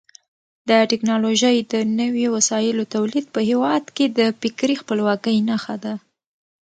د ټکنالوژۍ د نویو وسایلو تولید په هېواد کې د فکري خپلواکۍ نښه ده.